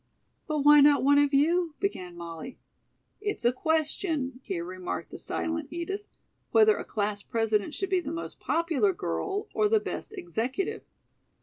"But why not one of you?" began Molly. "It's a question," here remarked the silent Edith, "whether a class president should be the most popular girl or the best executive."